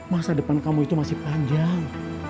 masa depan kamu itu masih panjang